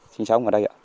xin chào ông ở đây ạ